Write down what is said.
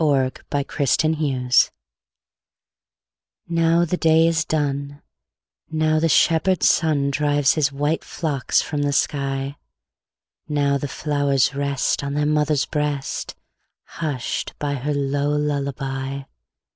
Louisa May Alcott Lullaby NOW the day is done, Now the shepherd sun Drives his white flocks from the sky; Now the flowers rest On their mother's breast, Hushed by her low lullaby.